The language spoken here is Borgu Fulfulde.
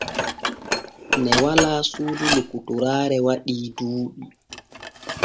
Ne walaa suudu lokotoraare waɗii duuɓi.